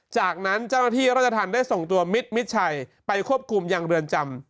จากนั้นเจ้าหน้าที่ราชธรรมได้ส่งตัวมิดมิดชัยไปควบคุมยังเรือนจำ